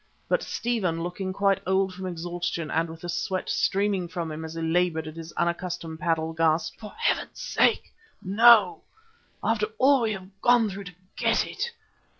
But Stephen, looking quite old from exhaustion and with the sweat streaming from him as he laboured at his unaccustomed paddle, gasped: "For Heaven's sake, no, after all we have gone through to get it."